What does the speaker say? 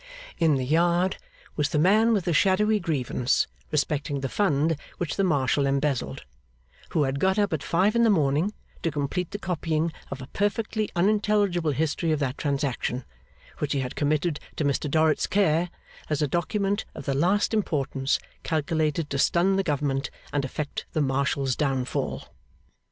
In the yard, was the man with the shadowy grievance respecting the Fund which the Marshal embezzled, who had got up at five in the morning to complete the copying of a perfectly unintelligible history of that transaction, which he had committed to Mr Dorrit's care, as a document of the last importance, calculated to stun the Government and effect the Marshal's downfall.